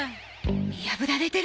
見破られてる？